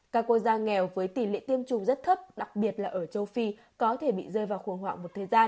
các quốc gia nghèo với tỷ lệ tiêm chủng rất thấp đặc biệt là ở châu phi có thể bị rơi vào khủng hoảng một thời gian